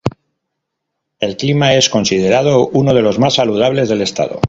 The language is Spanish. El clima es considerado uno de los más saludables del estado.